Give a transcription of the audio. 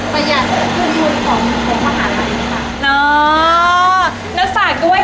ประหยัดคุณคุณของผู้ประหารมาด้วยค่ะ